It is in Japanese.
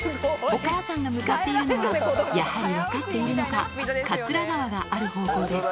お母さんが向かっているのは、やはり分かっているのか、桂川がある方向です。